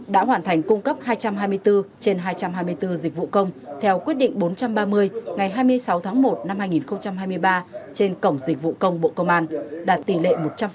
đã hoàn thành cung cấp hai trăm hai mươi bốn trên hai trăm hai mươi bốn dịch vụ công theo quyết định bốn trăm ba mươi ngày hai mươi sáu tháng một năm hai nghìn hai mươi ba trên cổng dịch vụ công bộ công an đạt tỷ lệ một trăm linh